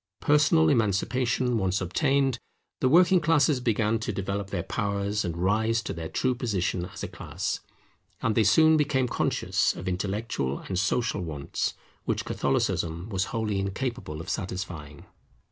Personal emancipation once obtained, the working classes began to develop their powers and rise to their true position as a class; and they soon became conscious of intellectual and social wants which Catholicism was wholly incapable of satisfying.